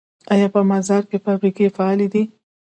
آیا په مزار کې فابریکې فعالې دي؟